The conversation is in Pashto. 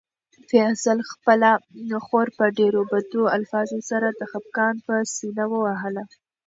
فیصل خپله خور په ډېرو بدو الفاظو سره د خپګان په سېنه ووهله.